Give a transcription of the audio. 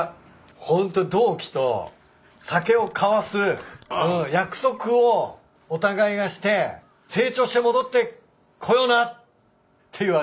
ホント同期と酒を交わす約束をお互いがして成長して戻ってこようなっていう味。